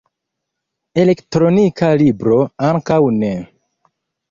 Elektronika libro ankaŭ ne.